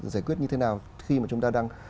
giải quyết như thế nào khi mà chúng ta đang